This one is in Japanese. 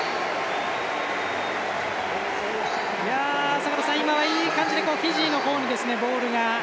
坂田さん、今のはいい感じでフィジーの方にボールが。